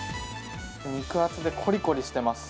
肉厚で、コリコリしています。